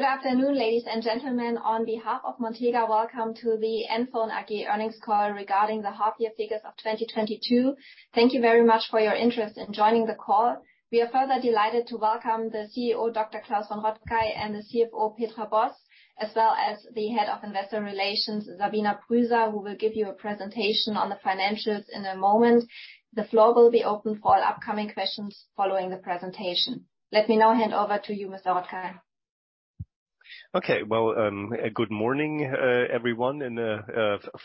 Good afternoon, ladies and gentlemen. On behalf of Montega, welcome to the NFON AG earnings call regarding the half-year figures of 2022. Thank you very much for your interest in joining the call. We are further delighted to welcome the CEO, Dr. Klaus von Rottkay, and the CFO, Petra Boss, as well as the Head of Investor Relations, Sabina Prusa, who will give you a presentation on the financials in a moment. The floor will be open for all upcoming questions following the presentation. Let me now hand over to you, Mr. von Rottkay. Okay. Well, good morning, everyone, and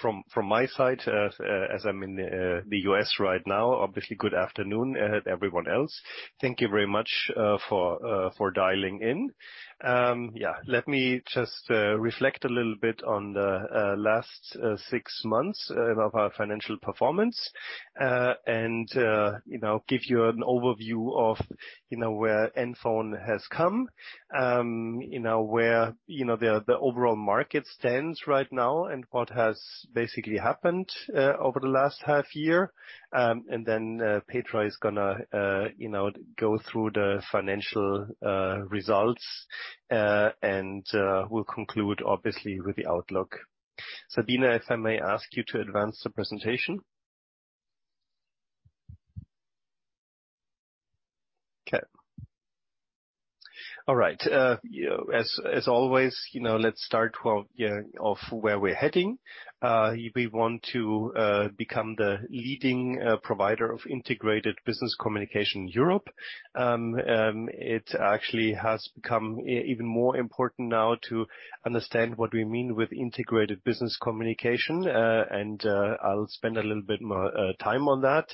from my side, as I'm in the US right now, obviously good afternoon to everyone else. Thank you very much for dialing in. Yeah, let me just reflect a little bit on the last six months of our financial performance, and you know, give you an overview of you know, where NFON has come, you know, where the overall market stands right now and what has basically happened over the last half year. Then Petra is gonna you know, go through the financial results, and we'll conclude obviously with the outlook. Sabina, if I may ask you to advance the presentation. Okay. All right, yeah, as always, you know, let's start off where we're heading. We want to become the leading provider of integrated business communication in Europe. It actually has become even more important now to understand what we mean with integrated business communication. I'll spend a little bit more time on that.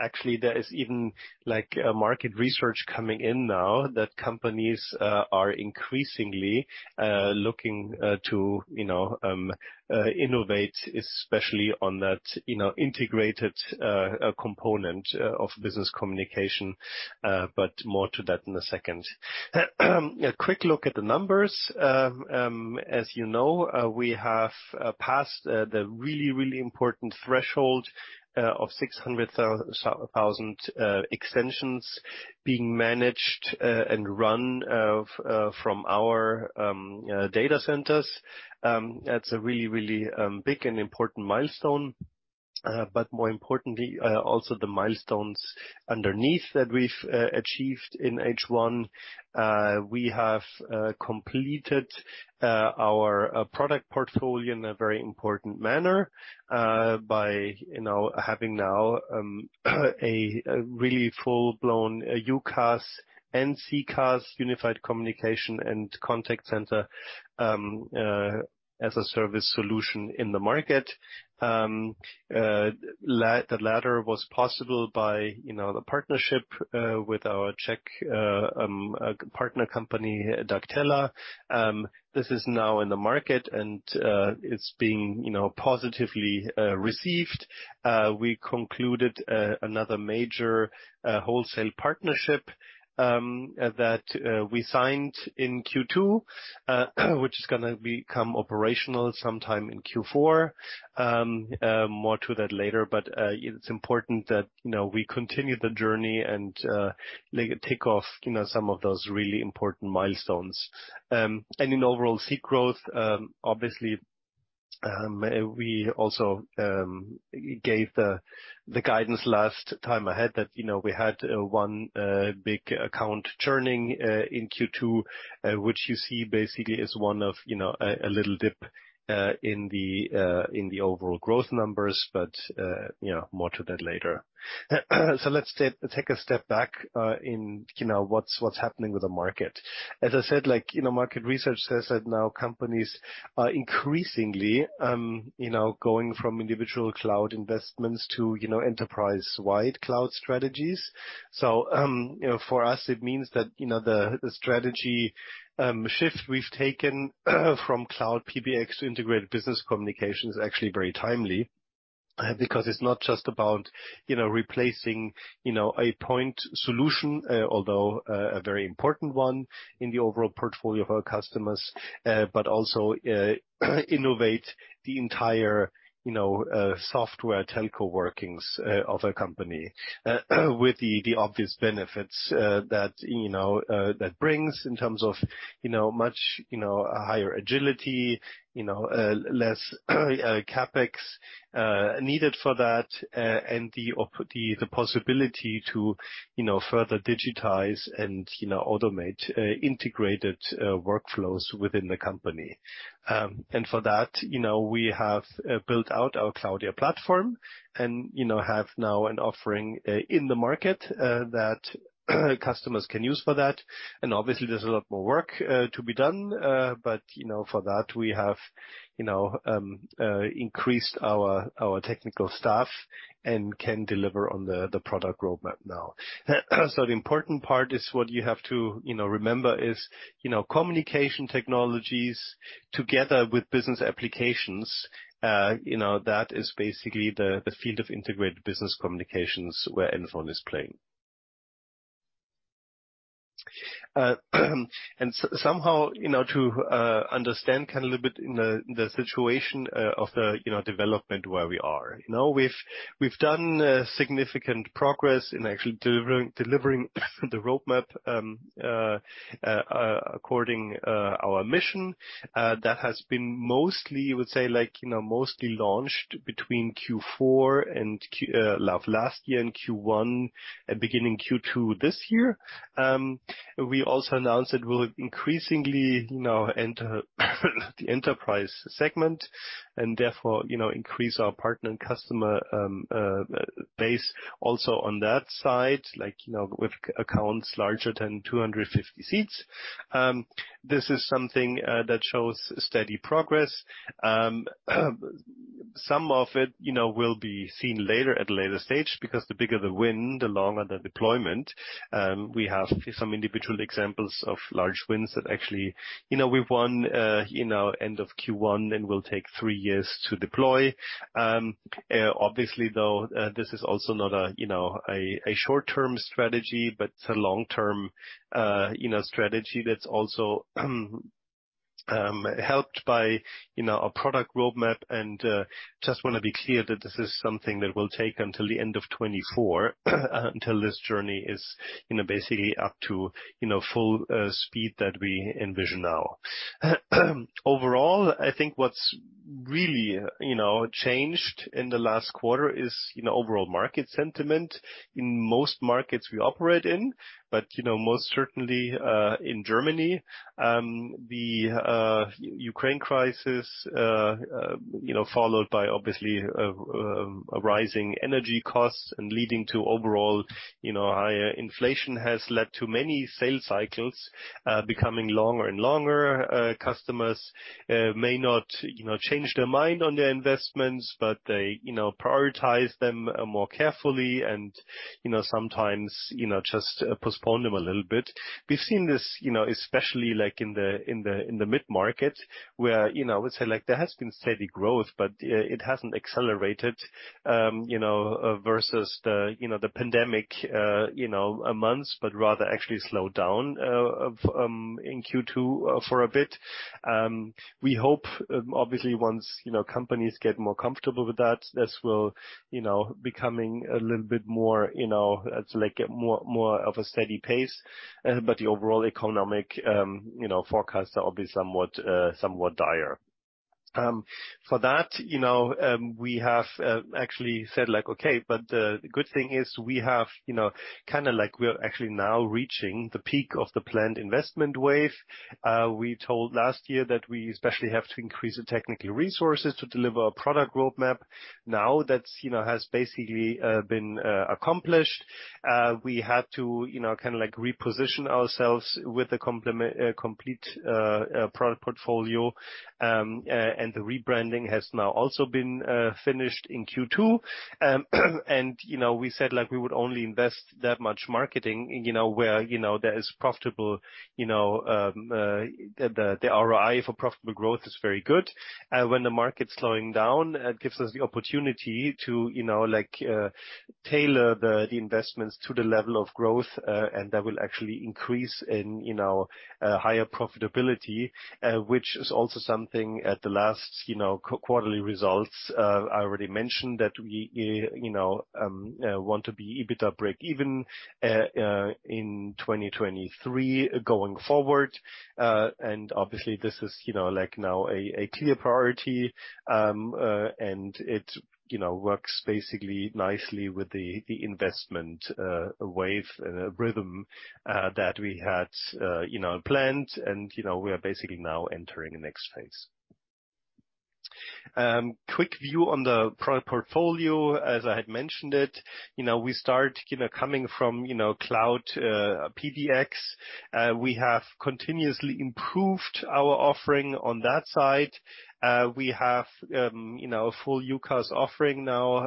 Actually, there is even, like, market research coming in now that companies are increasingly looking to, you know, innovate, especially on that, you know, integrated component of business communication, but more to that in a second. A quick look at the numbers. As you know, we have passed the really important threshold of 600,000 extensions being managed and run from our data centers. That's a really big and important milestone. More importantly, also the milestones underneath that we've achieved in H1, we have completed our product portfolio in a very important manner by, you know, having now a really full-blown UCaaS and CCaaS unified communication and contact center as a service solution in the market. The latter was possible by, you know, the partnership with our Czech partner company, Daktela. This is now in the market and it's being, you know, positively received. We concluded another major wholesale partnership that we signed in Q2, which is gonna become operational sometime in Q4. More to that later, but it's important that you know we continue the journey and like tick off some of those really important milestones. In overall seat growth, obviously we also gave the guidance last time ahead that you know we had 1 big account churning in Q2, which you see basically is one of a little dip in the overall growth numbers, but you know more to that later. Let's take a step back in what's happening with the market. As I said, like, you know, market research says that now companies are increasingly, you know, going from individual cloud investments to, you know, enterprise-wide cloud strategies. You know, for us it means that, you know, the strategy shift we've taken from Cloud PBX to integrated business communication is actually very timely, because it's not just about, you know, replacing, you know, a point solution, although a very important one in the overall portfolio of our customers, but also innovate the entire, you know, software telco workings of a company, with the obvious benefits that, you know, that brings in terms of, you know, much, you know, higher agility, you know, less CapEx needed for that, and the possibility to, you know, further digitize and, you know, automate integrated workflows within the company. For that, you know, we have built out our Cloudya platform and, you know, have now an offering in the market that customers can use for that. Obviously there's a lot more work to be done, but, you know, for that we have, you know, increased our technical staff and can deliver on the product roadmap now. The important part is what you have to, you know, remember is, you know, communication technologies together with business applications, you know, that is basically the field of integrated business communications where NFON is playing. Somehow, you know, to understand kinda a little bit in the situation of the, you know, development where we are. You know, we've done significant progress in actually delivering the roadmap according to our mission. That has been mostly, I would say, like, you know, mostly launched between Q4 last year and Q1 and beginning Q2 this year. We also announced that we'll increasingly, you know, enter the enterprise segment and therefore, you know, increase our partner and customer base also on that side, like, you know, with accounts larger than 250 seats. This is something that shows steady progress. Some of it, you know, will be seen later at a later stage because the bigger the win, the longer the deployment. We have some individual examples of large wins that actually, you know, we've won, you know, end of Q1 and will take three years to deploy. Obviously though, this is also not a you know, a short-term strategy but a long-term you know, strategy that's also helped by you know, our product roadmap and just wanna be clear that this is something that will take until the end of 2024 until this journey is you know, basically up to you know, full speed that we envision now. Overall, I think what's really you know, changed in the last quarter is you know, overall market sentiment in most markets we operate in, but you know, most certainly in Germany, the Ukraine crisis you know, followed by obviously a rising energy costs and leading to overall you know, higher inflation has led to many sales cycles becoming longer and longer. Customers may not, you know, change their mind on their investments, but they, you know, prioritize them more carefully and, you know, sometimes, you know, just postpone them a little bit. We've seen this, you know, especially like in the mid-market where, you know, I would say like there has been steady growth, but it hasn't accelerated, you know, versus the, you know, the pandemic, you know, months, but rather actually slowed down, in Q2, for a bit. We hope, obviously once, you know, companies get more comfortable with that, this will, you know, becoming a little bit more, you know, it's like more of a steady pace. But the overall economic, you know, forecast are obviously somewhat dire. For that, you know, we have actually said like, okay, but the good thing is we have, you know, kinda like we're actually now reaching the peak of the planned investment wave. We told last year that we especially have to increase the technical resources to deliver a product roadmap. Now that's, you know, has basically been accomplished. We had to, you know, kinda like reposition ourselves with a complete product portfolio. The rebranding has now also been finished in Q2. We said like we would only invest that much marketing, you know, where, you know, there is profitable, the ROI for profitable growth is very good. When the market's slowing down, it gives us the opportunity to, you know, like, tailor the investments to the level of growth, and that will actually increase in, you know, higher profitability, which is also something at the last, you know, quarterly results. I already mentioned that we, you know, want to be EBITDA breakeven in 2023 going forward. Obviously this is, you know, like now a clear priority, and it, you know, works basically nicely with the investment wave, rhythm that we had, you know, planned. You know, we are basically now entering the next phase. Quick view on the product portfolio. As I had mentioned it, you know, we start, you know, coming from, you know, cloud PBX. We have continuously improved our offering on that side. We have you know a full UCaaS offering now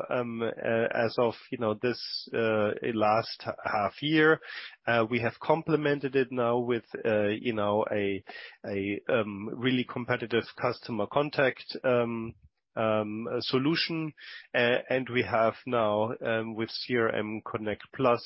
as of you know this last half year. We have complemented it now with you know a really competitive customer contact solution. We have now with CRM Connect Plus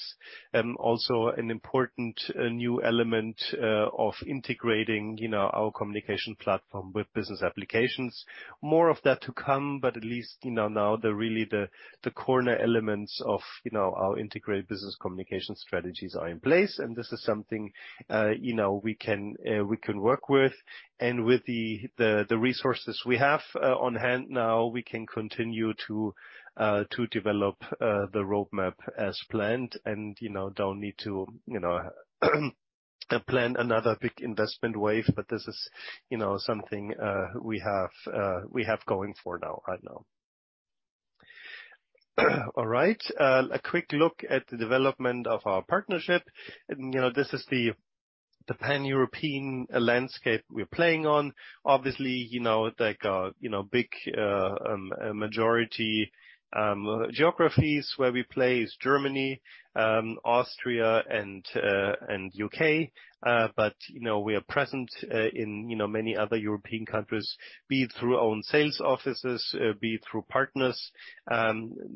also an important new element of integrating you know our communication platform with business applications. More of that to come, but at least you know now really the corner elements of you know our integrated business communication strategies are in place and this is something you know we can work with. With the resources we have on hand now, we can continue to develop the roadmap as planned and, you know, don't need to, you know, plan another big investment wave. This is, you know, something we have going for now, right now. All right. A quick look at the development of our partnership. This is the Pan-European landscape we're playing on. Obviously, you know, like, big majority geographies where we play is Germany, Austria and UK. But, you know, we are present in, you know, many other European countries, be it through own sales offices, be it through partners.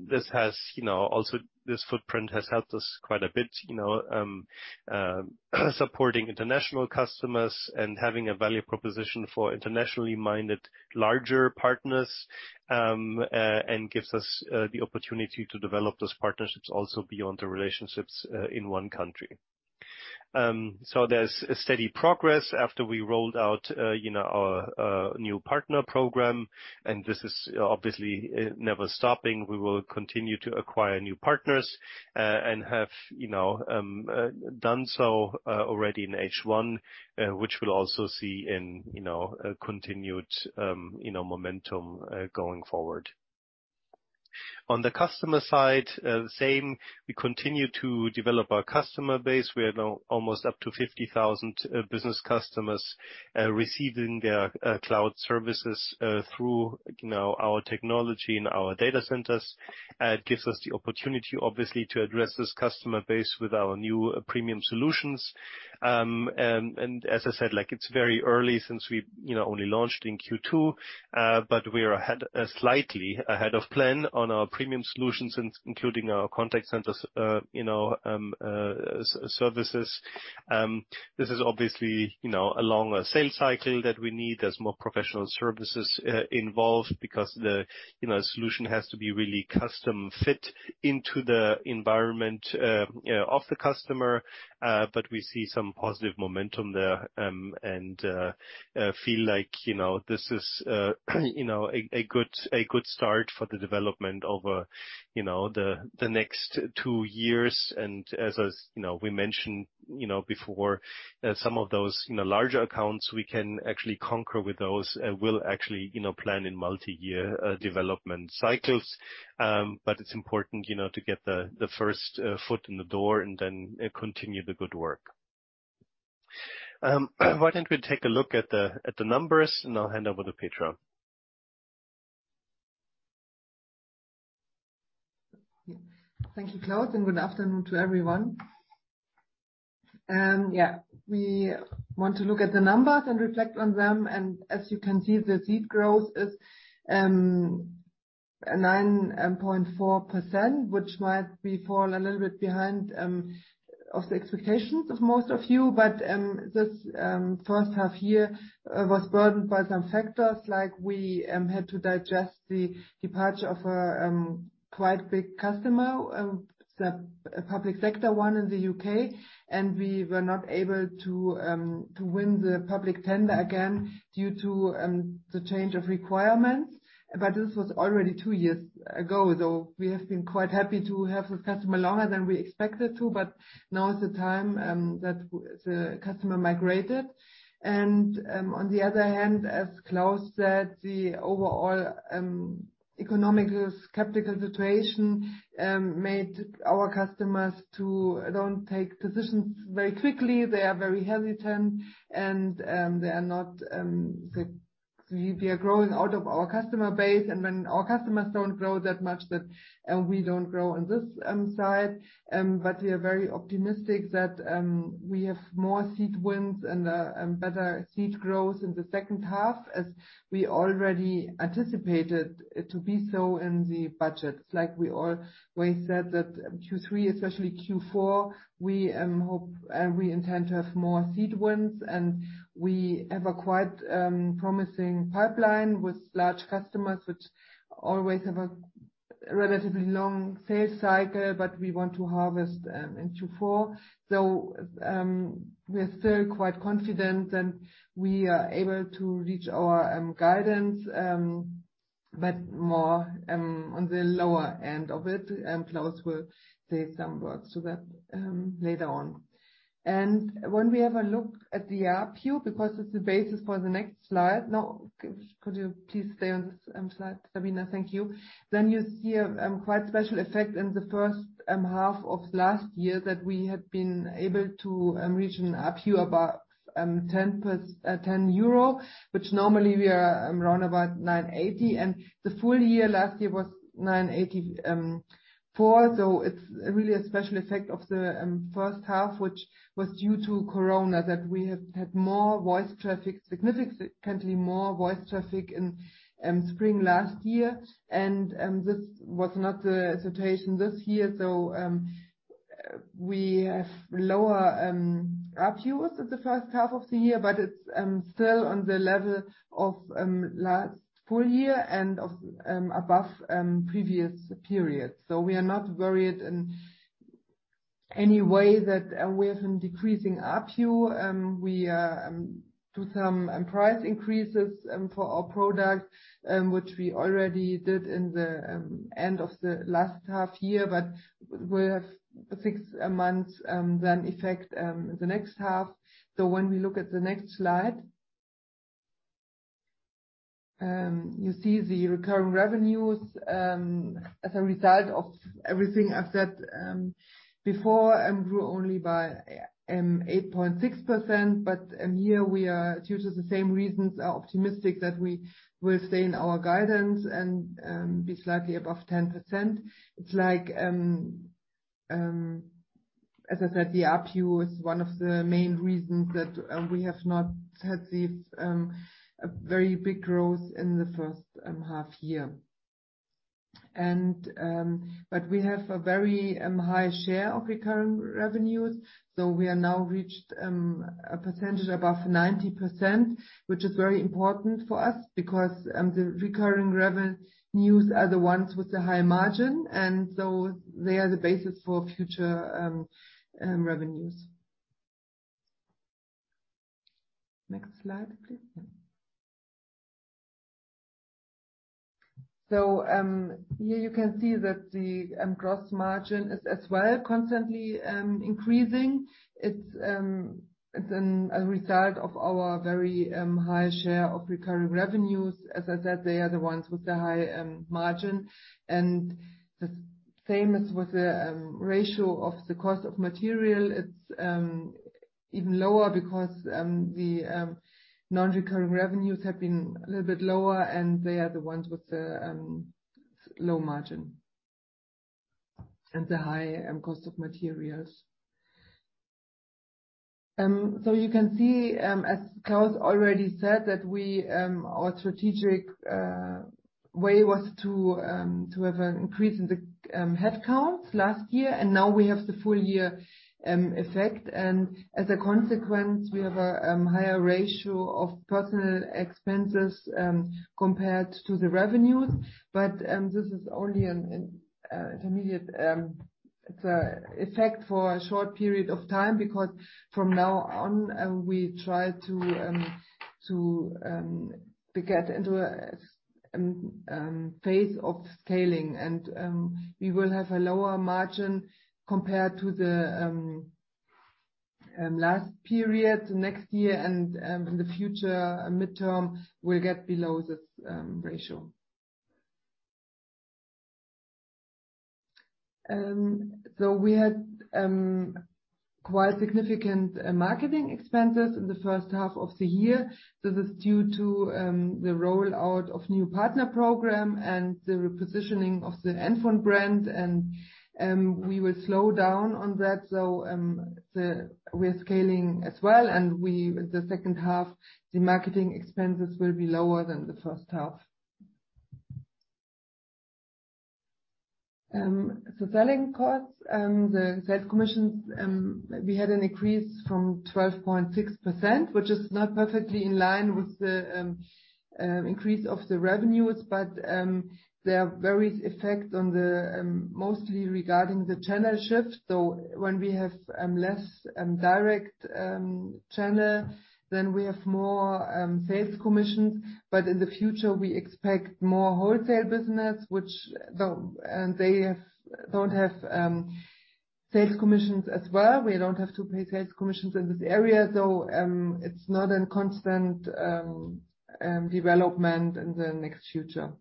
This has, you know, also this footprint has helped us quite a bit, you know, supporting international customers and having a value proposition for internationally minded larger partners, and gives us the opportunity to develop those partnerships also beyond the relationships in one country. There's a steady progress after we rolled out, you know, our new partner program, and this is obviously never stopping. We will continue to acquire new partners, and have, you know, done so already in H1, which we'll also see in, you know, continued, you know, momentum going forward. On the customer side, same. We continue to develop our customer base. We are now almost up to 50,000 business customers receiving their cloud services through, you know, our technology in our data centers. It gives us the opportunity, obviously, to address this customer base with our new premium solutions. As I said, like, it's very early since we, you know, only launched in Q2, but we are ahead, slightly ahead of plan on our premium solutions, including our contact centers, you know, services. This is obviously, you know, a longer sales cycle that we need. There's more professional services involved because the solution has to be really custom fit into the environment of the customer, but we see some positive momentum there, and feel like, you know, this is a good start for the development over the next two years. We mentioned before some of those larger accounts we can actually conquer with those will actually plan in multiyear development cycles. It's important to get the first foot in the door and then continue the good work. Why don't we take a look at the numbers, and I'll hand over to Petra. Yeah. Thank you, Klaus, and good afternoon to everyone. We want to look at the numbers and reflect on them, and as you can see, the seat growth is 9.4%, which might fall a little bit behind the expectations of most of you. This first half year was burdened by some factors, like we had to digest the departure of a quite big customer, a public sector one in the UK, and we were not able to win the public tender again due to the change of requirements. This was already two years ago, though we have been quite happy to have the customer longer than we expected to. Now is the time that the customer migrated. On the other hand, as Klaus said, the overall economic skeptical situation made our customers to don't take decisions very quickly. They are very hesitant, and we are growing out of our customer base, and when our customers don't grow that much, that we don't grow on this side. But we are very optimistic that we have more seat wins and better seat growth in the second half, as we already anticipated it to be so in the budget. Like we always said that Q3, especially Q4, we hope we intend to have more seat wins, and we have a quite promising pipeline with large customers, which always have a relatively long sales cycle, but we want to harvest in Q4. We're still quite confident, and we are able to reach our guidance, but more on the lower end of it, and Klaus von Rottkay will say some words to that later on. When we have a look at the ARPU, because it's the basis for the next slide. No. Could you please stay on this slide, Sabina? Thank you. You see a quite special effect in the first half of last year that we had been able to reach an ARPU above €10, which normally we are around about 9.80, and the full year last year was 9.84. It's really a special effect of the first half, which was due to Corona, that we have had more voice traffic, significantly more voice traffic in spring last year. This was not the situation this year. We have lower ARPUs in the first half of the year, but it's still on the level of last full year and above previous periods. We are not worried in any way that we have been decreasing ARPU. We do some price increases for our product, which we already did in the end of the last half year, but we'll have six months then effect in the next half. When we look at the next slide, you see the recurring revenues, as a result of everything I've said before, grew only by 8.6%. Here we are, due to the same reasons, optimistic that we will stay in our guidance and be slightly above 10%. It's like, as I said, the ARPU is one of the main reasons that we have not had a very big growth in the first half year. But we have a very high share of recurring revenues, so we have now reached a percentage above 90%, which is very important for us because the recurring revenues are the ones with the high margin, and so they are the basis for future revenues. Slide, please. Here you can see that the gross margin is as well constantly increasing. It's a result of our very high share of recurring revenues. As I said, they are the ones with the high margin, and the same is with the ratio of the cost of materials. It's even lower because the non-recurring revenues have been a little bit lower, and they are the ones with the low margin and the high cost of materials. You can see, as Klaus already said, that our strategic way was to have an increase in the headcounts last year, and now we have the full year effect, and as a consequence, we have a higher ratio of personnel expenses compared to the revenues. This is only an intermediate effect for a short period of time, because from now on, we try to get into a phase of scaling and we will have a lower margin compared to the last period next year and in the future medium term will get below this ratio. We had quite significant marketing expenses in the first half of the year. This is due to the rollout of new partner program and the repositioning of the NFON brand and we will slow down on that. We're scaling as well, and with the second half, the marketing expenses will be lower than the first half. The selling costs, the sales commissions, we had an increase from 12.6%, which is not perfectly in line with the increase of the revenues. There are various effects, mostly regarding the channel shift. When we have less direct channel, then we have more sales commissions. In the future, we expect more wholesale business, which they don't have sales commissions as well. We don't have to pay sales commissions in this area. It's not in constant development in the near future.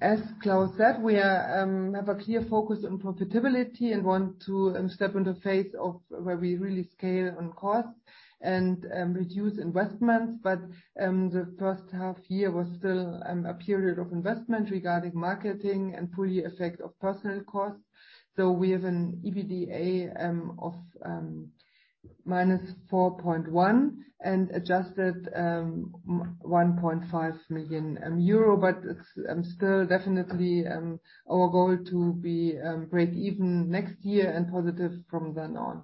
As Klaus said, we have a clear focus on profitability and want to step into phase of where we really scale on costs and reduce investments. The first half year was still a period of investment regarding marketing and full effect of personnel costs. We have an EBITDA of minus €4.1 million and adjusted minus €1.5 million. It's still definitely our goal to be breakeven next year and positive from then on.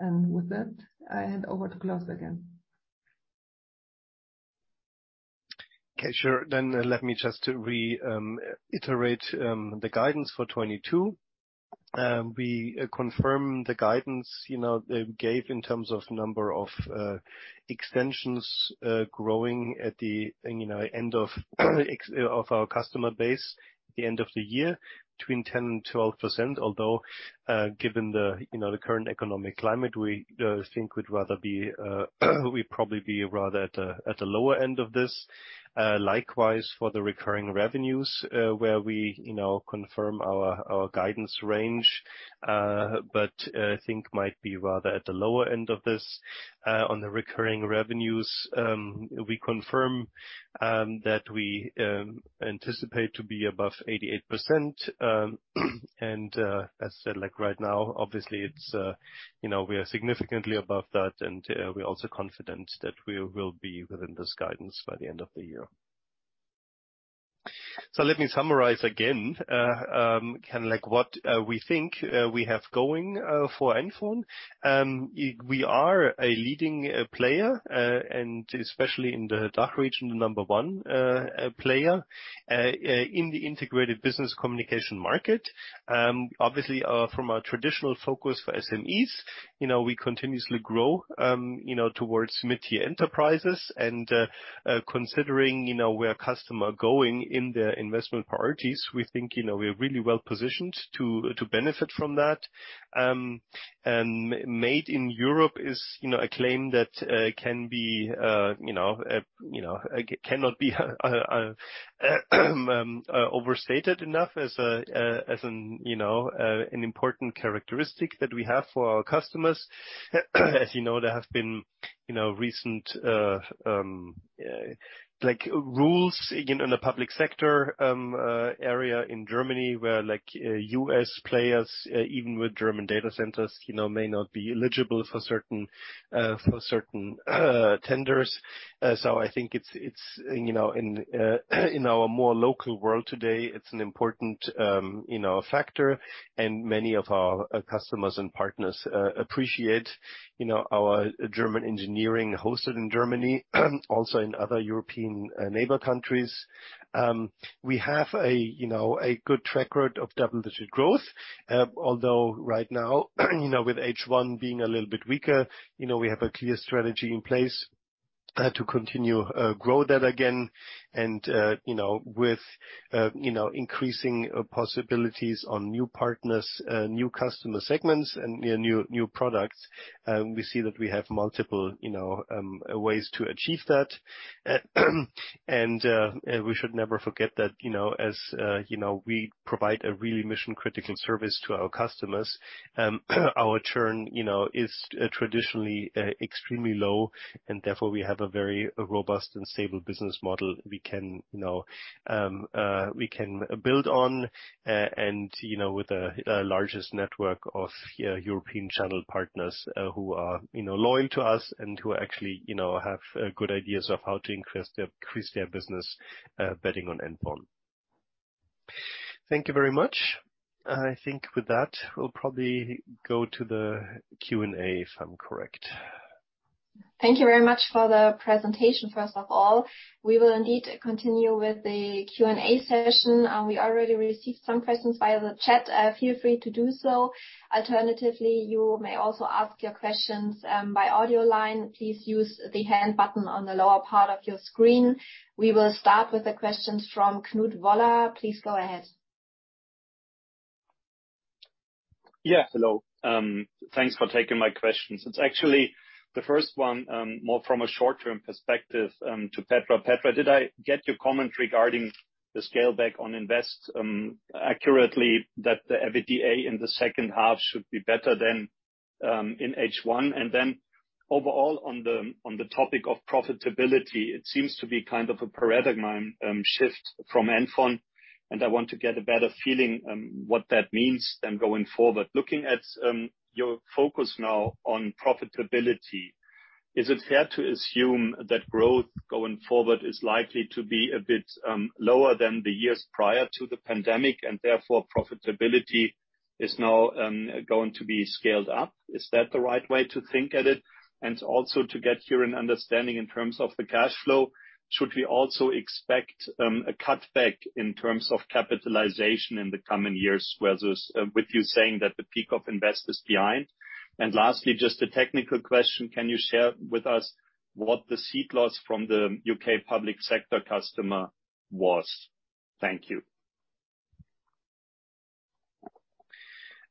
With that, I hand over to Klaus again. Okay, sure. Let me just reiterate the guidance for 2022. We confirm the guidance you know we gave in terms of number of extensions of our customer base at the end of the year between 10% and 12%. Although, given the you know the current economic climate, we think we'd probably be rather at the lower end of this. Likewise for the recurring revenues, where we you know confirm our guidance range. I think we might be rather at the lower end of this on the recurring revenues. We confirm that we anticipate to be above 88%, and as said, like right now, obviously it's you know, we are significantly above that and we're also confident that we will be within this guidance by the end of the year. Let me summarize again, like what we think we have going for NFON. We are a leading player and especially in the DACH region, the number one player in the integrated business communication market. Obviously, from a traditional focus for SMEs, you know, we continuously grow you know, towards mid-tier enterprises and considering you know, where customer going in their investment priorities, we think you know, we're really well positioned to benefit from that. Made in Europe is, you know, a claim that can be, you know, you know, cannot be overstated enough as an important characteristic that we have for our customers. As you know, there have been, you know, recent, like rules again, in the public sector area in Germany where like, US players, even with German data centers, you know, may not be eligible for certain tenders. So I think it's, in our more local world today, it's an important factor, and many of our customers and partners appreciate you know, our German engineering hosted in Germany also in other European neighbor countries. We have, you know, a good track record of double-digit growth. Although right now, you know, with H1 being a little bit weaker, you know, we have a clear strategy in place to continue grow that again and, you know, with, you know, increasing possibilities on new partners, new customer segments and new products. We see that we have multiple, you know, ways to achieve that. We should never forget that, you know, as you know, we provide a really mission-critical service to our customers, our churn, you know, is traditionally extremely low, and therefore we have a very robust and stable business model we can, you know, build on. You know, with the largest network of European channel partners, who are, you know, loyal to us and who actually, you know, have good ideas of how to increase their business, betting on NFON. Thank you very much. I think with that, we'll probably go to the Q&A, if I'm correct. Thank you very much for the presentation, first of all. We will indeed continue with the Q&A session. We already received some questions via the chat. Feel free to do so. Alternatively, you may also ask your questions by audio line. Please use the hand button on the lower part of your screen. We will start with the questions from Knut Woller. Please go ahead. Hello. Thanks for taking my questions. It's actually the first one, more from a short-term perspective, to Petra. Petra, did I get your comment regarding the scale back on investment accurately, that the EBITDA in the second half should be better than in H1? Then overall, on the topic of profitability, it seems to be a paradigm shift from NFON, and I want to get a better feeling what that means then going forward. Looking at your focus now on profitability, is it fair to assume that growth going forward is likely to be a bit lower than the years prior to the pandemic, and therefore profitability is now going to be scaled up? Is that the right way to think about it? Also to get your understanding in terms of the cash flow, should we also expect a cutback in terms of capitalization in the coming years, whereas with you saying that the peak of invest is behind? Lastly, just a technical question, can you share with us what the seat loss from the UK public sector customer was? Thank you.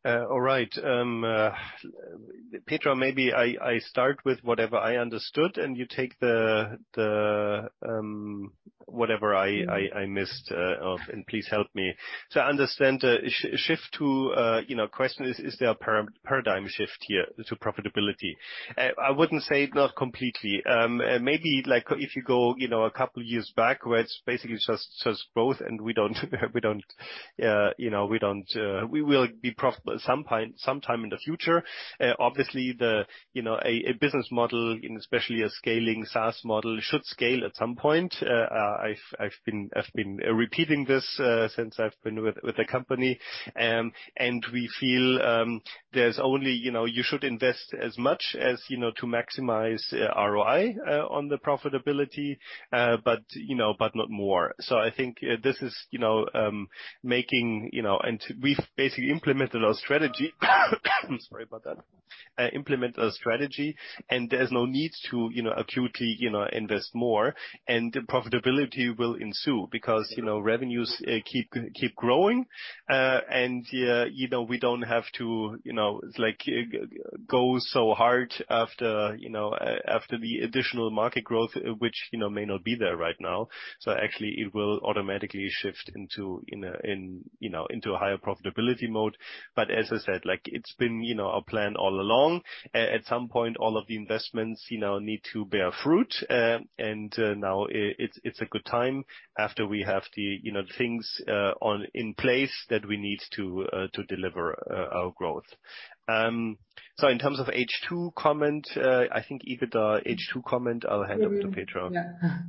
All right. Petra, maybe I start with whatever I understood, and you take the whatever I missed, and please help me. I understand shift to you know question is is there a paradigm shift here to profitability? I wouldn't say not completely. Maybe, like, if you go you know a couple years back where it's basically just growth and we don't you know we will be profitable sometime in the future. Obviously you know a business model, and especially a scaling SaaS model, should scale at some point. I've been repeating this since I've been with the company. We feel there's only, you know, you should invest as much as, you know, to maximize ROI on the profitability, but, you know, but not more. I think this is, you know, making, you know. We've basically implemented our strategy. I'm sorry about that. Implement a strategy, and there's no need to, you know, actually, you know, invest more. Profitability will ensue because, you know, revenues keep growing. You know, we don't have to, you know, like, go so hard after, you know, after the additional market growth, which, you know, may not be there right now. Actually it will automatically shift into, you know, into a higher profitability mode. As I said, like it's been, you know, our plan all along. At some point, all of the investments, you know, need to bear fruit. Now it's a good time after we have the, you know, things in place that we need to deliver our growth. In terms of H2 comment, I think EBITDA H2 comment, I'll hand over to Petra. Yeah.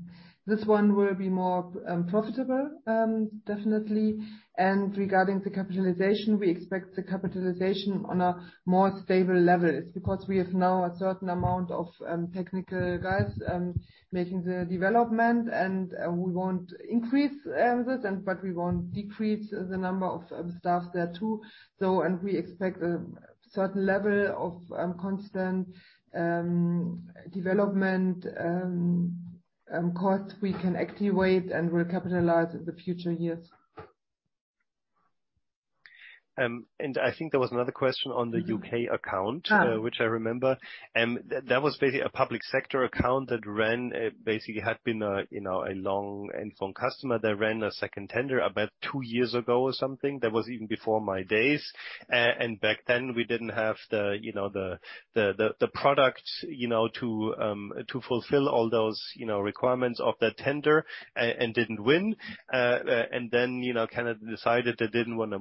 This one will be more profitable, definitely. Regarding the capitalization, we expect the capitalization on a more stable level. It's because we have now a certain amount of technical guys making the development, and we won't increase this, but we won't decrease the number of staff there too. We expect a certain level of constant development cost we can activate and will capitalize in the future years. I think there was another question on the UK account. Ah. Which I remember. That was basically a public sector account that ran, basically had been a, you know, a long NFON customer that ran a second tender about 2 years ago or something. That was even before my days. Back then, we didn't have the, you know, the product, you know, to fulfill all those, you know, requirements of that tender and didn't win. Then, you know, decided they didn't wanna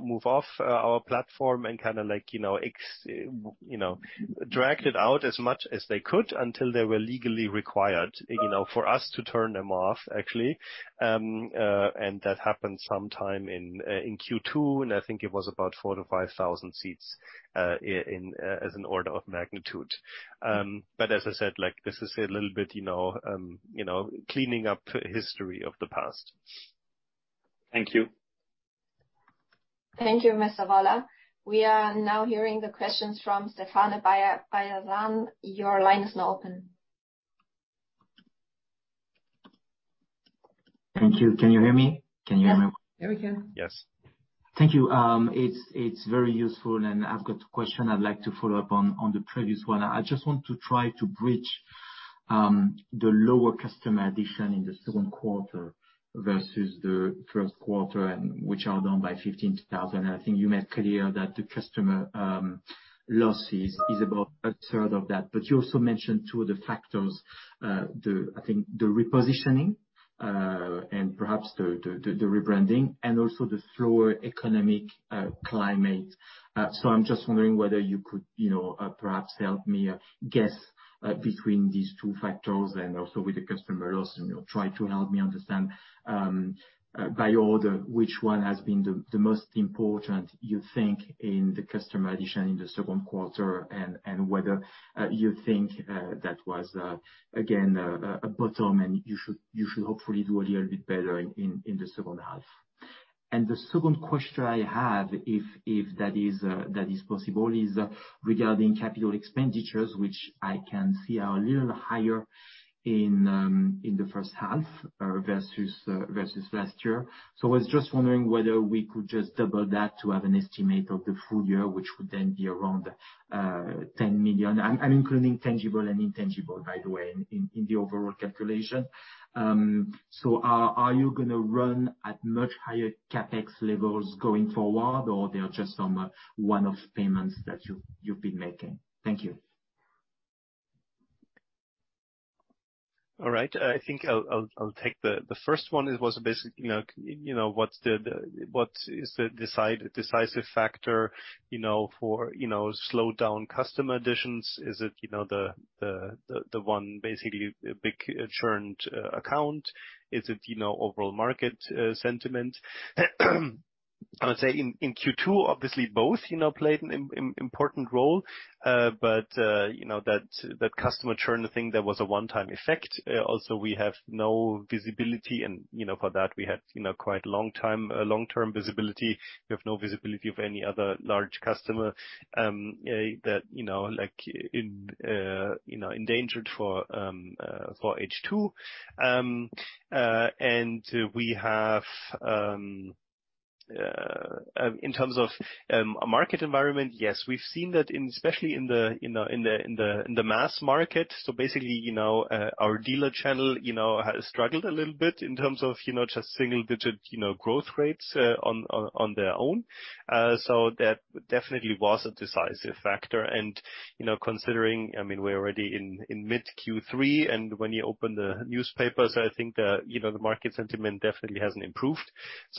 move off our platform and kinda like, you know, dragged it out as much as they could until they were legally required. Oh. You know, for us to turn them off actually. That happened sometime in Q2, and I think it was about 4,000-5,000 seats in as an order of magnitude. As I said, like, this is a little bit, you know, you know, cleaning up history of the past. Thank you. Thank you, Knut Woller. We are now hearing the questions from Stéphane Beyazian. Your line is now open. Thank you. Can you hear me? Can you hear me? Yes. There we can. Yes. Thank you. It's very useful, and I've got a question I'd like to follow up on the previous one. I just want to try to bridge the lower customer addition in the second quarter versus the first quarter and which are down by 15,000. I think you made clear that the customer losses is about a third of that. You also mentioned two of the factors. I think the repositioning and perhaps the rebranding and also the slower economic climate. I'm just wondering whether you could, you know, perhaps help me guess between these two factors and also with the customer loss, and you'll try to help me understand by order, which one has been the most important you think in the customer addition in the second quarter, and whether you think that was again a bottom and you should hopefully do a little bit better in the second half. The second question I have, if that is possible, is regarding capital expenditures, which I can see are a little higher in the first half versus last year. I was just wondering whether we could just double that to have an estimate of the full year, which would then be around €10 million. I'm including tangible and intangible, by the way, in the overall calculation. Are you gonna run at much higher CapEx levels going forward, or they are just one-off payments that you've been making? Thank you. All right. I think I'll take the first one. It was basically, you know, what is the decisive factor, you know, for slowed down customer additions. Is it, you know, the one basically big churned account? Is it, you know, overall market sentiment? I would say in Q2, obviously both, you know, played an important role. But, you know, that customer churn thing, that was a one-time effect. Also we have no visibility and, you know, for that we had, you know, quite long time, long-term visibility. We have no visibility of any other large customer that, you know, like in endangered for H2. And we have in terms of market environment, yes. We've seen that, especially in the mass market. Basically, you know, our dealer channel, you know, has struggled a little bit in terms of, you know, just single-digit, you know, growth rates on their own. That definitely was a decisive factor. You know, considering, I mean, we're already in mid-Q3, and when you open the newspapers, I think the, you know, the market sentiment definitely hasn't improved.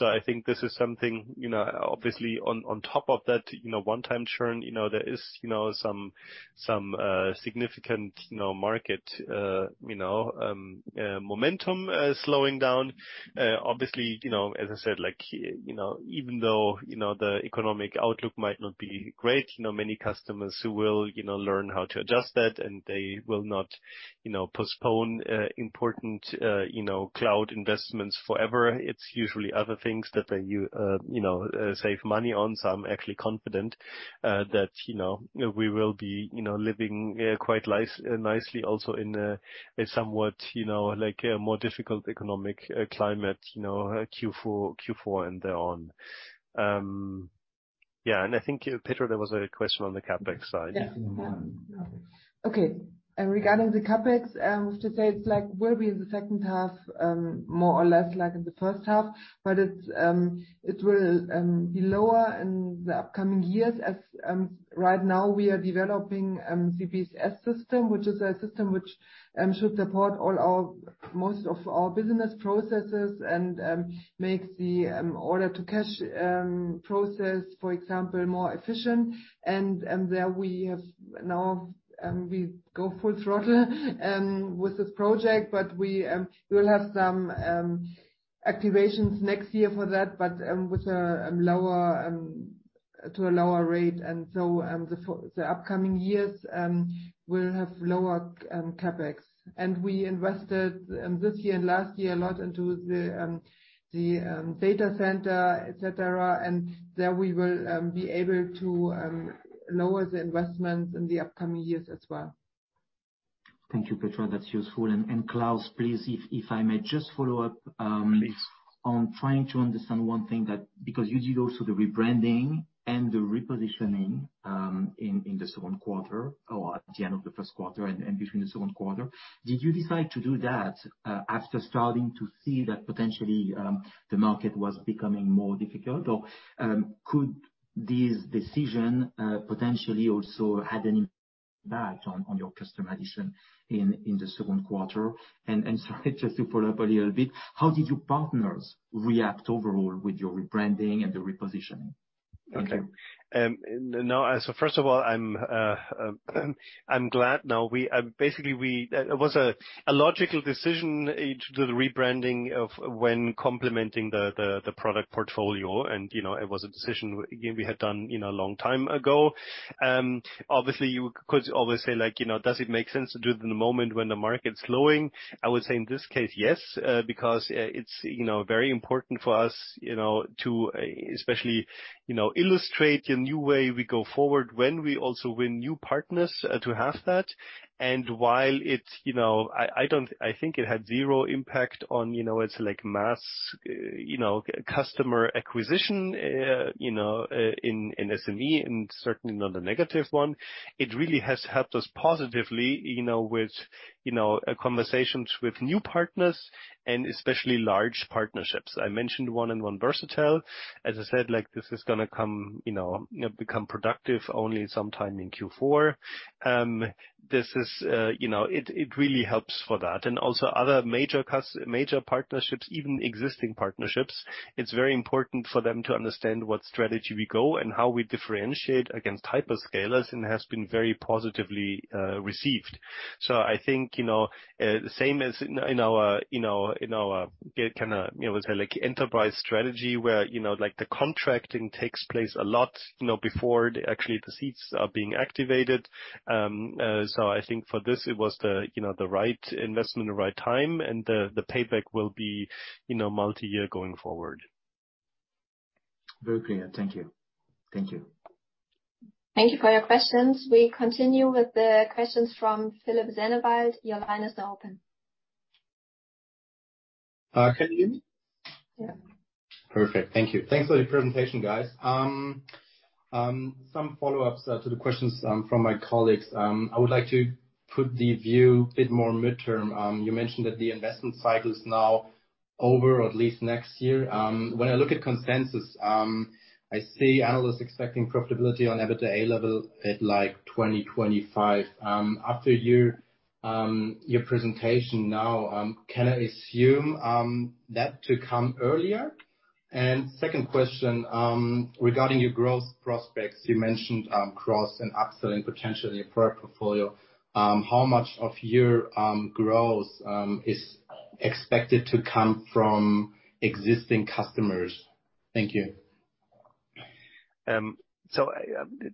I think this is something, you know, obviously on top of that, you know, one-time churn, you know, there is, you know, some significant, you know, market momentum slowing down. Obviously, you know, as I said, like, you know, even though, you know, the economic outlook might not be great, you know, many customers who will, you know, learn how to adjust that, and they will not, you know, postpone, important, you know, cloud investments forever. It's usually other things that they, you know, save money on. I'm actually confident, that, you know, we will be, you know, living, quite nicely also in a somewhat, you know, like a more difficult economic, climate, you know, Q4 and beyond. Yeah, I think, Petra, there was a question on the CapEx side. Yes. Okay. Regarding the CapEx, to say it's like will be in the second half, more or less like in the first half. It will be lower in the upcoming years as right now we are developing CPSS system, which is a system which should support all our most of our business processes and make the order to cash process, for example, more efficient. There we have now we go full throttle with this project, but we'll have some activations next year for that, but with a lower to a lower rate. The upcoming years will have lower CapEx. We invested this year and last year a lot into the data center, et cetera, and there we will be able to lower the investments in the upcoming years as well. Thank you, Petra. That's useful. Klaus, please, if I may just follow up. Please. Trying to understand one thing because you did also the rebranding and the repositioning in the second quarter or at the end of the first quarter and between the second quarter. Did you decide to do that after starting to see that potentially the market was becoming more difficult? Or could this decision potentially also had an impact on your customer addition in the second quarter? Sorry, just to follow up a little bit, how did your partners react overall with your rebranding and the repositioning? Thank you. Okay. No, first of all, I'm glad. Basically, it was a logical decision to do the rebranding when complementing the product portfolio and, you know, it was a decision, you know, we had done, you know, a long time ago. Obviously, you could always say, like, you know, does it make sense to do it in the moment when the market's slowing? I would say in this case, yes, because it's, you know, very important for us, you know, to especially, you know, illustrate a new way we go forward when we also win new partners to have that. While it's, you know, I think it had zero impact on, you know, it's like mass, you know, customer acquisition in SME, and certainly not a negative one. It really has helped us positively, you know, with, you know, conversations with new partners and especially large partnerships. I mentioned one on 1&1 Versatel. As I said, like, this is gonna come, you know, become productive only sometime in Q4. This is, you know, it really helps for that. Also other major partnerships, even existing partnerships, it's very important for them to understand what strategy we go and how we differentiate against hyperscalers, and has been very positively received. I think, you know, same as in our kinda, you know, say, like enterprise strategy, where, you know, like the contracting takes place a lot, you know, before actually the seats are being activated. I think for this it was the, you know, the right investment, the right time, and the payback will be, you know, multi-year going forward. Very clear. Thank you. Thank you. Thank you for your questions. We continue with the questions from Philipp Sennewald. Your line is now open. Can you hear me? Yeah. Perfect. Thank you. Thanks for the presentation, guys. Some follow-ups to the questions from my colleagues. I would like to put the view a bit more midterm. You mentioned that the investment cycle is now over or at least next year. When I look at consensus, I see analysts expecting profitability on EBITDA level at, like, 2025. After your presentation now, can I assume that to come earlier? Second question, regarding your growth prospects. You mentioned cross and upsell and potentially your product portfolio. How much of your growth is expected to come from existing customers? Thank you.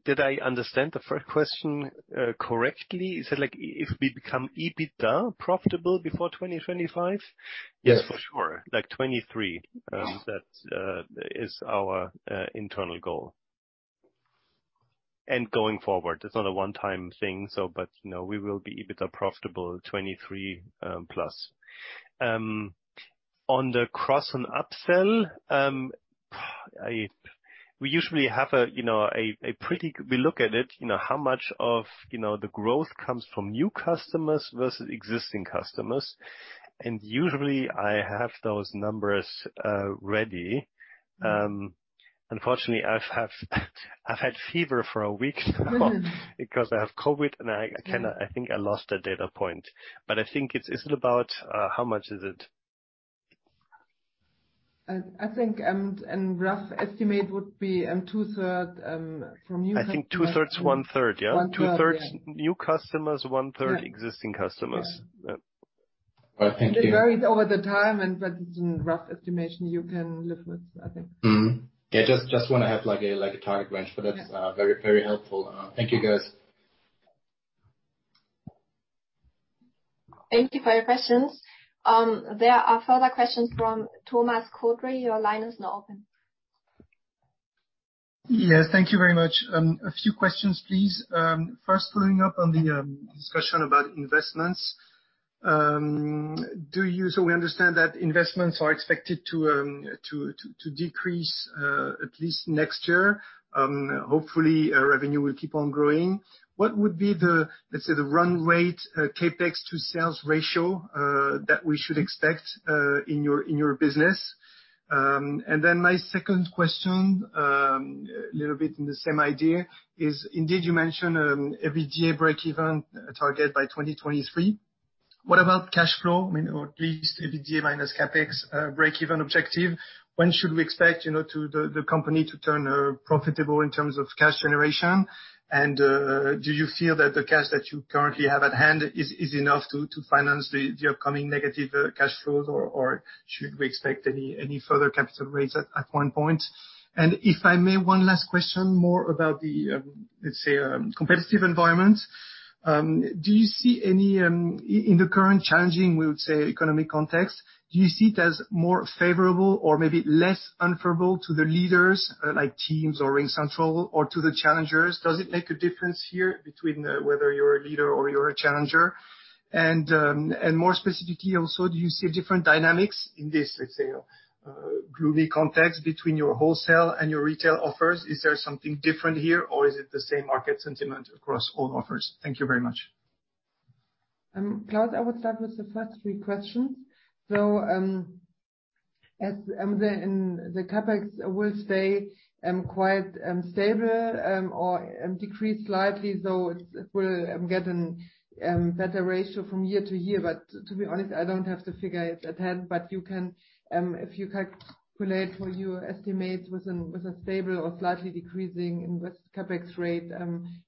Did I understand the first question correctly? Is it, like if we become EBITDA profitable before 2025? Yes. Yes, for sure. Like 2023. Yeah. That is our internal goal. Going forward, it's not a one-time thing, you know, we will be EBITDA profitable 2023+. On the cross and upsell, we usually look at it, you know, how much of, you know, the growth comes from new customers versus existing customers. Usually I have those numbers ready. Unfortunately, I've had fever for a week now because I have COVID, and I kinda think I lost that data point. I think it's. Is it about, how much is it? I think in rough estimate would be two-thirds from new customers. I think two-thirds, one-third, yeah? One-third, yeah. 2/3 new customers, 1/3 existing customers. Yeah. Yeah. Well, thank you. It varies over time, but it's a rough estimation you can live with, I think. Yeah, just wanna have like a target range for that. Yeah. Very, very helpful. Thank you guys. Thank you for your questions. There are further questions from Thomas Coudry. Your line is now open. Yeah. Thank you very much. A few questions please. First, following up on the discussion about investments. So we understand that investments are expected to decrease at least next year. Hopefully revenue will keep on growing. What would be the, let's say, the run rate CapEx to sales ratio that we should expect in your business? Then my second question, a little bit in the same idea is indeed you mentioned EBITDA breakeven target by 2023. What about cash flow? I mean or at least EBITDA minus CapEx breakeven objective. When should we expect, you know, to the company to turn profitable in terms of cash generation? Do you feel that the cash that you currently have at hand is enough to finance the upcoming negative cash flows? Or should we expect any further capital raise at one point? If I may, one last question, more about the, let's say, competitive environment. Do you see any, in the current challenging, we would say, economic context, do you see it as more favorable or maybe less unfavorable to the leaders, like Teams or RingCentral or to the challengers? Does it make a difference here between whether you're a leader or you're a challenger? More specifically also, do you see different dynamics in this, let's say, gloomy context between your wholesale and your retail offers? Is there something different here, or is it the same market sentiment across all offers? Thank you very much. Klaus, I would start with the first three questions. The CapEx will stay quite stable or decrease slightly, so it will get a better ratio from year to year. But to be honest, I don't have the figure at hand, but you can if you calculate for your estimates with a stable or slightly decreasing investment CapEx rate,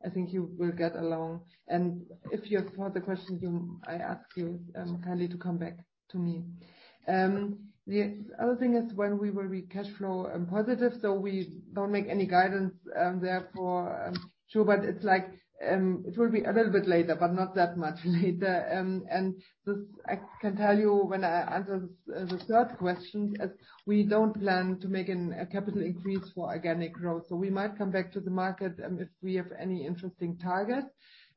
I think you will get along. If you have further questions, I ask you kindly to come back to me. The other thing is when we will be cash flow positive, so we don't make any guidance therefore sure, but it's like, it will be a little bit later, but not that much later. This, I can tell you when I answer the third question, as we don't plan to make a capital increase for organic growth. We might come back to the market if we have any interesting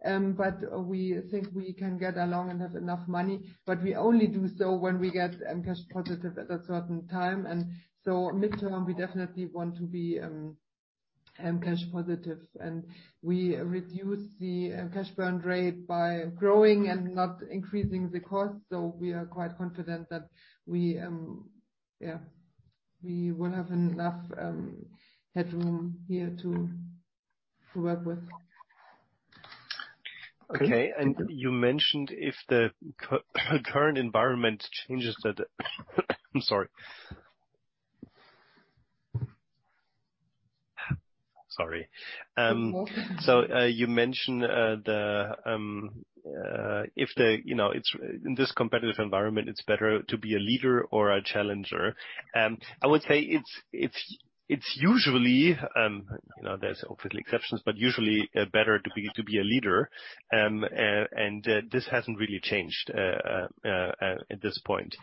target. We think we can get along and have enough money, but we only do so when we get cash positive at a certain time. Midterm, we definitely want to be cash positive, and we reduced the cash burn rate by growing and not increasing the cost. We are quite confident that we will have enough headroom here to work with. Okay. You mentioned if the current environment changes that I'm sorry. Sorry. No problem. You mentioned, you know, it's in this competitive environment, it's better to be a leader or a challenger. I would say it's usually, you know, there's obviously exceptions, but usually better to be a leader. This hasn't really changed at this point.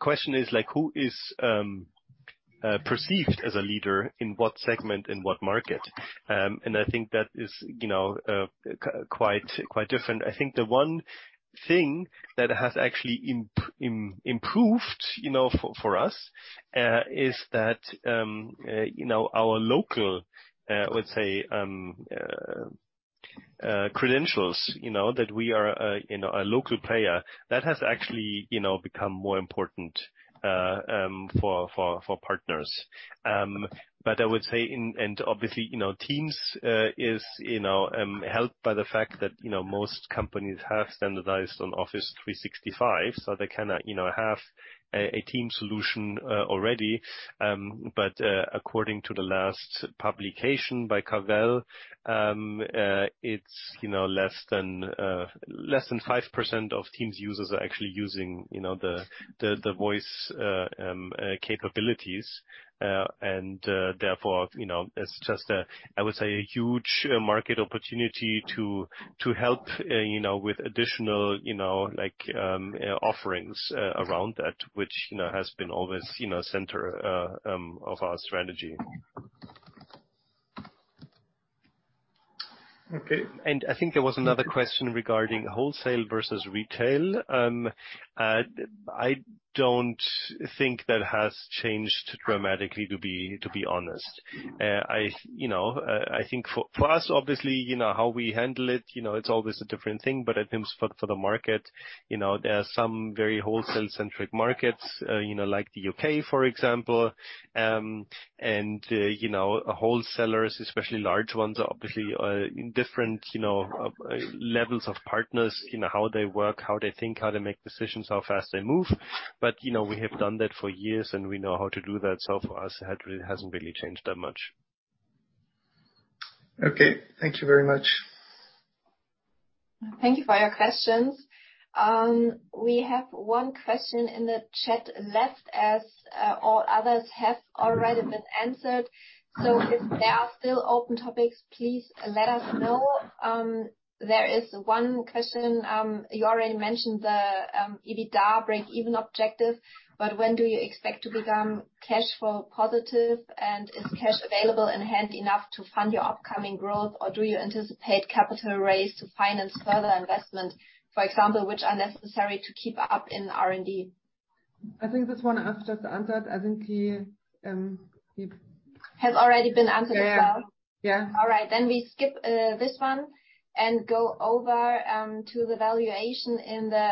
Question is like, who is perceived as a leader in what segment, in what market? I think that is, you know, quite different. I think the one thing that has actually improved, you know, for us, is that, you know, our local, let's say, credentials, you know, that we are, you know, a local player. That has actually, you know, become more important for partners. I would say obviously, you know, Teams is, you know, helped by the fact that, you know, most companies have standardized on Office 365, so they kinda, you know, have a Teams solution already. According to the last publication by Cavell, it's, you know, less than 5% of Teams users are actually using, you know, the voice capabilities. Therefore, you know, it's just a, I would say, a huge market opportunity to help, you know, with additional, you know, like, offerings around that, which, you know, has been always, you know, center of our strategy. Okay. I think there was another question regarding wholesale versus retail. I don't think that has changed dramatically, to be honest. You know, I think for us, obviously, you know, how we handle it, you know, it's always a different thing. I think for the market, you know, there are some very wholesale-centric markets, you know, like the UK, for example. You know, wholesalers, especially large ones, are obviously in different levels of partners in how they work, how they think, how they make decisions, how fast they move. You know, we have done that for years, and we know how to do that. For us, it hasn't really changed that much. Okay. Thank you very much. Thank you for your questions. We have one question in the chat left, as all others have already been answered. If there are still open topics, please let us know. There is one question. You already mentioned the EBITDA breakeven objective, but when do you expect to become cash flow positive? And is cash available in hand enough to fund your upcoming growth, or do you anticipate capital raise to finance further investment, for example, which are necessary to keep up in R&D? I think this one I've just answered. Has already been answered as well. Yeah. Yeah. All right. We skip this one and go over to the valuations in the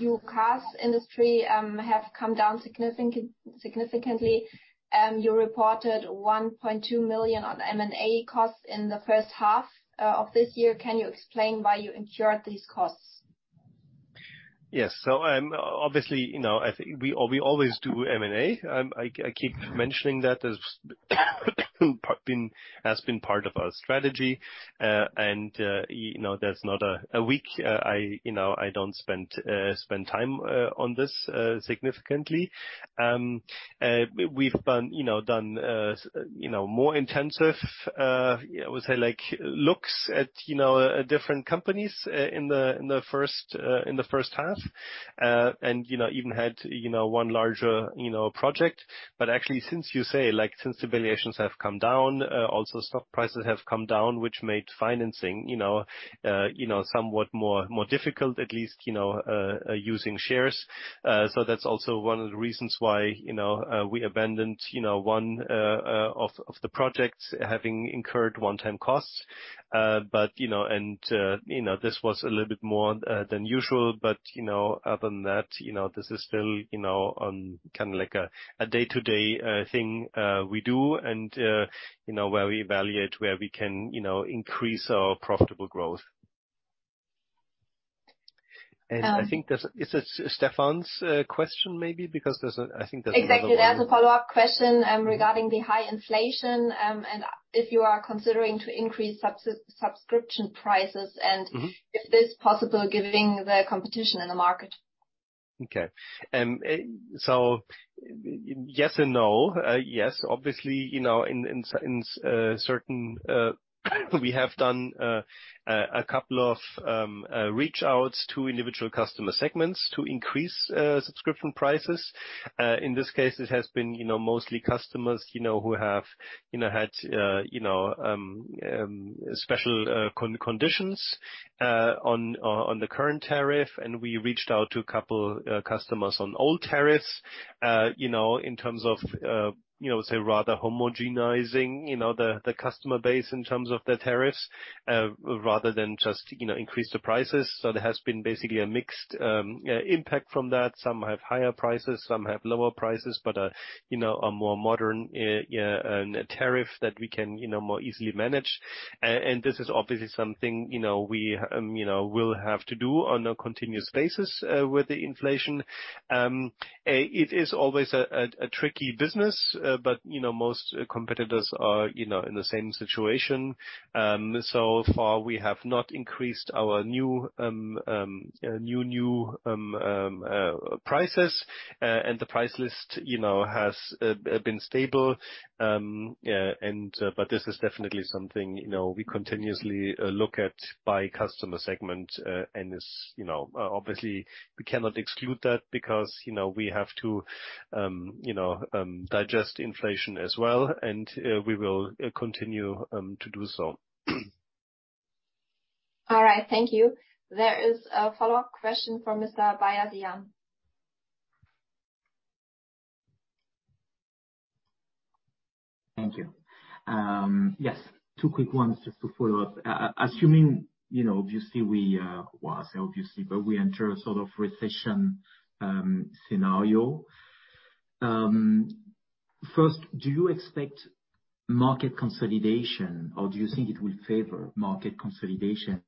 UCaaS industry have come down significantly. You reported €1.2 million on M&A costs in the first half of this year. Can you explain why you incurred these costs? Yes. Obviously, you know, I think we always do M&A. I keep mentioning that has been part of our strategy. You know, there's not a week I don't spend time on this significantly. We've done more intensive, I would say like looks at different companies in the first half. You know, even had one larger project. Actually, since the valuations have come down, also stock prices have come down, which made financing, you know, somewhat more difficult, at least using shares. That's also one of the reasons why, you know, we abandoned one of the projects having incurred one-time costs. You know, this was a little bit more than usual, but you know, other than that, you know, this is still, you know, like a day-to-day thing we do and, you know, where we evaluate where we can, you know, increase our profitable growth. Um- I think that's. Is it Stéphane's question, maybe? Because I think there's another one. Exactly. There's a follow-up question regarding the high inflation and if you are considering to increase subscription prices. Mm-hmm Is this possible given the competition in the market? Okay. Yes and no. Yes, obviously, you know, in certain we have done a couple of reach outs to individual customer segments to increase subscription prices. In this case, it has been, you know, mostly customers, you know, who have, you know, had you know special conditions on on the current tariff, and we reached out to a couple customers on old tariffs. You know, in terms of, you know, say, rather homogenizing, you know, the customer base in terms of their tariffs, rather than just, you know, increase the prices. There has been basically a mixed impact from that. Some have higher prices, some have lower prices, but you know, a more modern tariff that we can, you know, more easily manage. This is obviously something, you know, we you know will have to do on a continuous basis, with the inflation. It is always a tricky business, but you know, most competitors are, you know, in the same situation. So far we have not increased our new prices. The price list, you know, has been stable. This is definitely something, you know, we continuously look at by customer segment, and is, you know, obviously we cannot exclude that because, you know, we have to you know digest inflation as well, and we will continue to do so. All right. Thank you. There is a follow-up question from Mr. Beyazian. Thank you. Yes, two quick ones just to follow up. Assuming, you know, obviously we, well, I say obviously, but we enter a recession scenario. First, do you expect market consolidation, or do you think it will favor market consolidation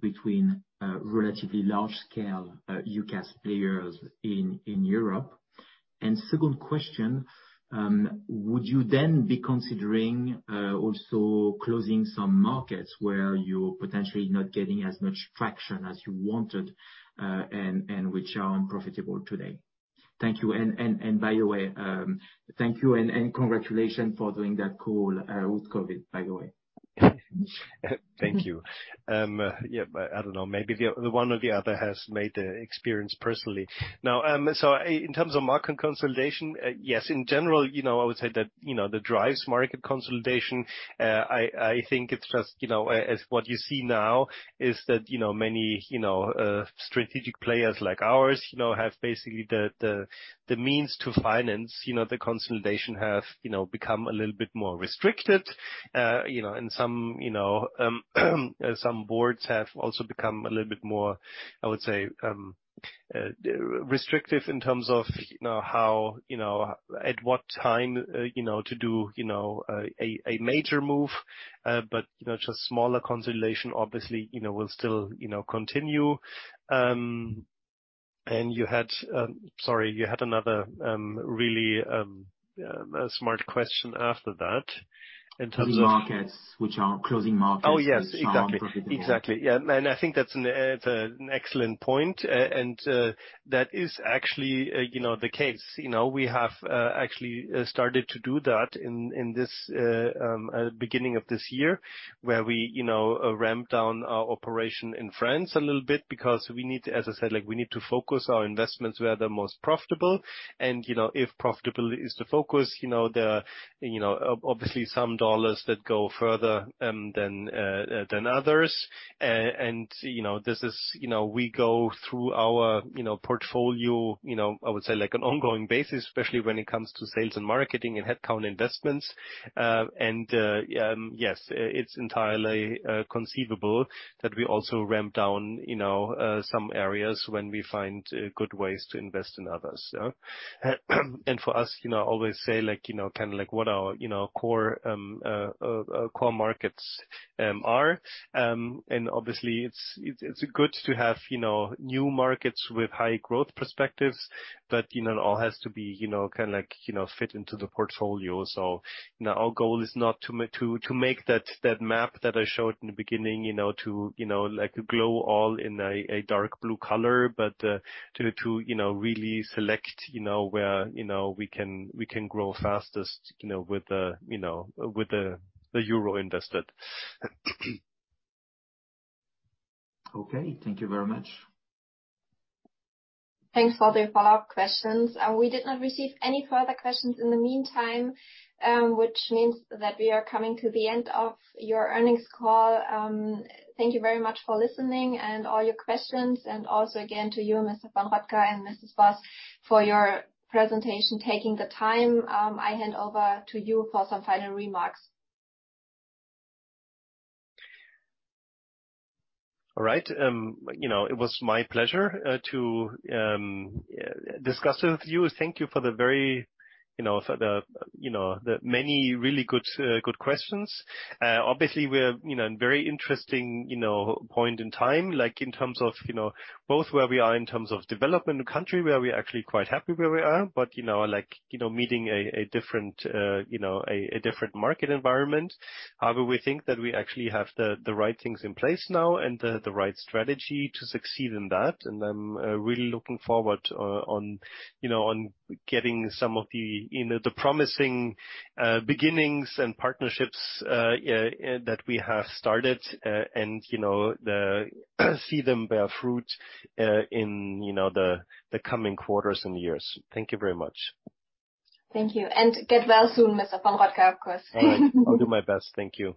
between relatively large scale UCaaS players in Europe? Second question, would you then be considering also closing some markets where you're potentially not getting as much traction as you wanted, and which are unprofitable today? Thank you. By the way, thank you and congratulations for doing that call with COVID, by the way. Thank you. Yeah, I don't know. Maybe the one or the other has made the experience personally. Now, in terms of market consolidation, yes, in general, you know, I would say that, you know, that drives market consolidation. I think it's just, you know, what you see now is that, you know, many, you know, strategic players like ours, you know, have basically the means to finance, you know, the consolidation have, you know, become a little bit more restricted. You know, some boards have also become a little bit more, I would say, restrictive in terms of, you know, how, you know, at what time, you know, to do, you know, a major move. You know, just smaller consolidation, obviously, you know, will still, you know, continue. You had, sorry, another really smart question after that in terms of. Closing markets. Oh, yes. Exactly. Which are unprofitable. Exactly. Yeah. I think that's an excellent point. That is actually, you know, the case. You know, we have actually started to do that in the beginning of this year, where we, you know, ramped down our operation in France a little bit because we need to, as I said, like, we need to focus our investments where they're most profitable. If profitability is the focus, you know, there are, you know, obviously some dollars that go further than others. This is, you know, we go through our, you know, portfolio, you know, I would say like on an ongoing basis, especially when it comes to sales and marketing and headcount investments. Yes, it's entirely conceivable that we also ramp down, you know, some areas when we find good ways to invest in others. Yeah. For us, you know, I always say, like, you know, kinda like what our core markets are. Obviously it's good to have, you know, new markets with high growth perspectives. You know, it all has to be, you know, kinda like, you know, fit into the portfolio. You know, our goal is not to you know like glow all in a dark blue color, but to you know really select you know where you know we can grow fastest you know with the you know with the Euro invested. Okay. Thank you very much. Thanks for the follow-up questions. We did not receive any further questions in the meantime, which means that we are coming to the end of your earnings call. Thank you very much for listening and all your questions, and also again to you, Mr. von Rottkay and Petra Boss, for your presentation, taking the time. I hand over to you for some final remarks. All right. You know, it was my pleasure to discuss with you. Thank you for the very, you know, the many really good questions. Obviously, we're you know in very interesting you know point in time, like in terms of you know both where we are in terms of development in the country, where we're actually quite happy where we are, but you know like you know meeting a different you know a different market environment. We think that we actually have the right things in place now and the right strategy to succeed in that. I'm really looking forward to, you know, getting some of the, you know, the promising beginnings and partnerships that we have started, and, you know, to see them bear fruit in, you know, the coming quarters and years. Thank you very much. Thank you. Get well soon, Mr. von Rottkay, of course. All right. I'll do my best. Thank you.